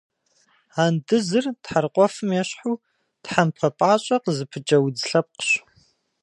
Андызыр тхьэрыкъуэфым ещхьу, тхьэмпэ пӏащӏэ къызыпыкӏэ удз лъэпкъщ.